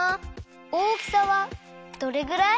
大きさはどれぐらい？